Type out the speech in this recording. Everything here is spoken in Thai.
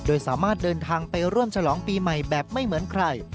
โดยสามารถเดินทางไปร่วมฉลองปีใหม่แบบไม่เหมือนใคร